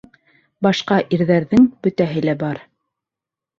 Башҡа ирҙәрҙең бөтәһе лә бар.